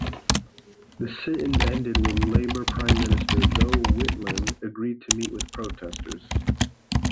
The sit-in ended when Labor Prime Minister Gough Whitlam agreed to meet with protesters.